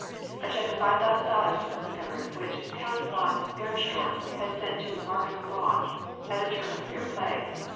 A check of $5,000 was discovered which Count von Bernstorff had sent to Marcus Braun, editor of Fair Play.